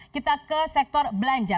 kita ke sektor belanja